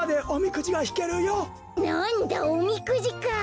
なんだおみくじか！